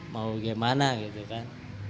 mau gimana gitu kan